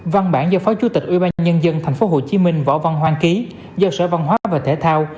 văn bản do phó chủ tịch ủy ban nhân dân tp hcm võ văn hoan ký do sở văn hóa và thể thao